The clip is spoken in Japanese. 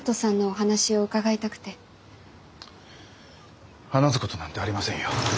話すことなんてありませんよ。